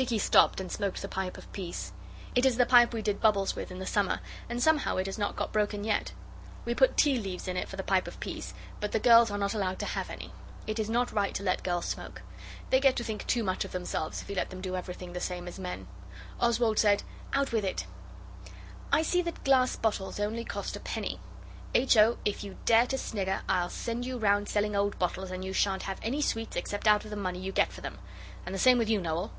Dicky stopped and smoked the pipe of peace. It is the pipe we did bubbles with in the summer, and somehow it has not got broken yet. We put tea leaves in it for the pipe of peace, but the girls are not allowed to have any. It is not right to let girls smoke. They get to think too much of themselves if you let them do everything the same as men. Oswald said, 'Out with it.' 'I see that glass bottles only cost a penny. H. O., if you dare to snigger I'll send you round selling old bottles, and you shan't have any sweets except out of the money you get for them. And the same with you, Noel.